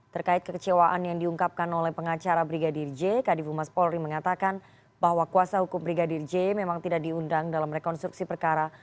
terkait kekecewaan yang diungkapkan oleh pengacara brigadir j kadifu mas polri mengatakan bahwa kuasa hukum brigadir j memang tidak diundang dalam rekonstruksi perkara